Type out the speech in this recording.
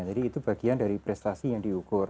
jadi itu bagian dari prestasi yang diukur